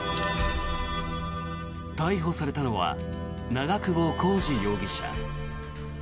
逮捕されたのは長久保浩二容疑者。